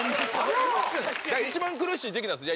一番苦しい時期なんですよ。